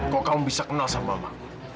kok kamu bisa kenal sama